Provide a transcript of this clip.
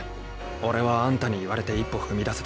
俺はあんたに言われて一歩踏み出せた。